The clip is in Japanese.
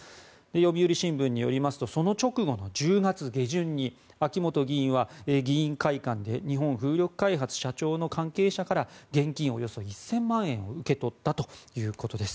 読売新聞によりますとその直後の１０月下旬秋本議員は議員会館で日本風力開発社長の関係者から現金およそ１０００万円を受け取ったということです。